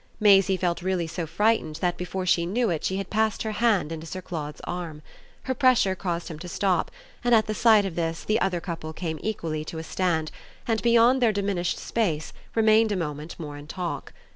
Maisie felt really so frightened that before she knew it she had passed her hand into Sir Claude's arm. Her pressure caused him to stop, and at the sight of this the other couple came equally to a stand and, beyond the diminished space, remained a moment more in talk.